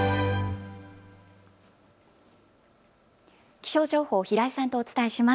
気象情報、平井さんとお伝えします。